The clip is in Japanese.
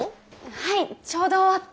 はいちょうど終わって。